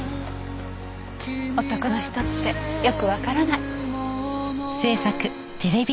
男の人ってよくわからない。